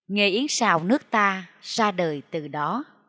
nghề yến xào nước ta ra đời từ đó